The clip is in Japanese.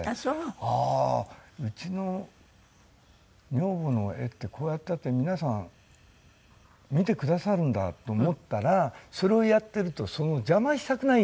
ああうちの女房の絵ってこうやって皆さん見てくださるんだと思ったらそれをやってるとその邪魔したくないんですよ。